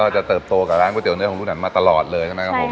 จะเติบโตกับร้านก๋วยเตี๋ยวเนอร์ของรุ่งนั้นมาตลอดเลย